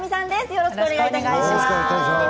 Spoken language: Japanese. よろしくお願いします。